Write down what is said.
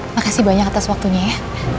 makasih banyak atas waktunya ya